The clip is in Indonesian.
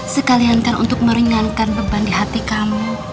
sekalian kan untuk meringankan beban di hati kamu